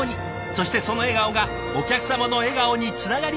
そしてその笑顔がお客様の笑顔につながりますように！